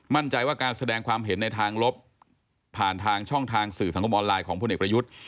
มั่นใจว่าการแสดงความเห็นในทางลบผ่านทางช่องทางสื่อสังคมออนไลน์ของพลเอกประยุทธ์